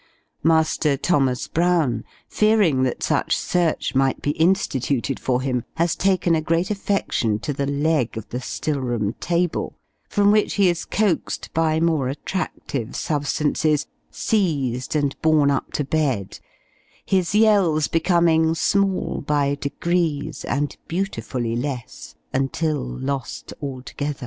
Master Thomas Brown, fearing that such search might be instituted for him, has taken a great affection to the leg of the still room table; from which he is coaxed by more attractive substances, seized, and borne up to bed his yells becoming "small by degrees and beautifully less," until lost altogether.